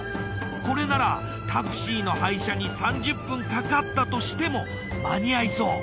これならタクシーの配車に３０分かかったとしても間に合いそう。